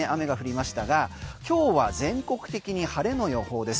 降りましたが今日は全国的に晴れの予報です。